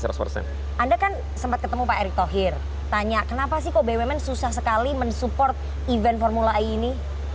anda kan sempat ketemu pak erick thohir tanya kenapa sih kok bumn susah sekali mensupport event formula e ini